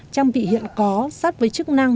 trang bị hiện có sát với chức năng